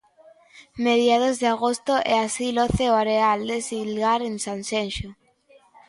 Mediados de agosto e así loce o areal de Silgar en Sanxenxo.